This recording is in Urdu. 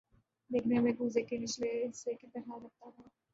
دیکھنے میں کوزے کے نچلے حصے کی طرح لگتا تھا